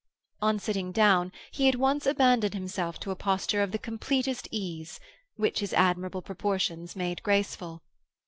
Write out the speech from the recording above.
On sitting down, he at once abandoned himself to a posture of the completest ease, which his admirable proportions made graceful.